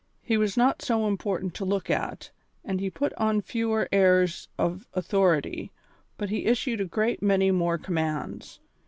He was not so important to look at, and he put on fewer airs of authority, but he issued a great many more commands.